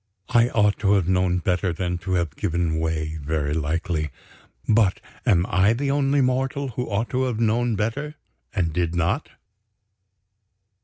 I ought to have known better than to have given way. Very likely. But am I the only mortal who ought to have known better and did not?